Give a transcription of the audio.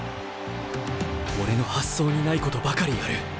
俺の発想にないことばかりやる。